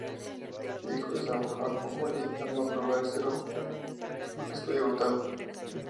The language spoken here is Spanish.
Dijo Esaú a Jacob: "Oye, dame a probar de eso rojo, porque estoy agotado.